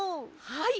はい。